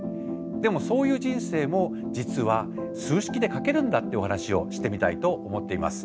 でもそういう人生も実は数式で書けるんだってお話をしてみたいと思っています。